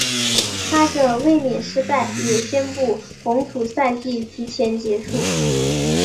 她的卫冕失败也宣告红土赛季提前结束。